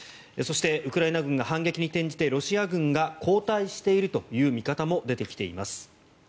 そしてウクライナ軍が反撃に転じてロシア軍が後退しているという見方も出てきています。